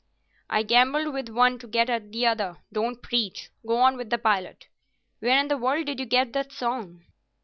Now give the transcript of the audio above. "I gambled with one to get at the other. Don't preach. Go on with the "Pilot." Where in the world did you get that song?"